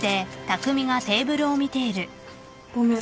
ごめん。